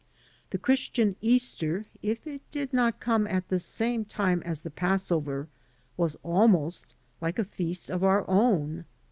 The Christian Easter, if it did not come at the same time as the Passover, was almost like a feast of our own.